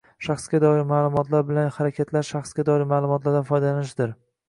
shaxsga doir ma’lumotlar bilan harakatlar shaxsga doir ma’lumotlardan foydalanishdir.